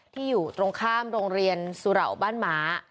อยู่ตรงข้ามโรงเรียนสุเหล่าบ้านม้า